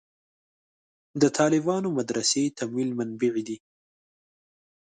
د طالبانو مدرسې تمویل منبعې دي.